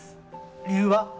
理由は？